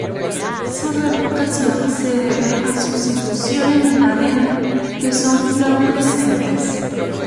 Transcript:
Su reputación se debe a sus infusiones de madera, que son fluorescentes.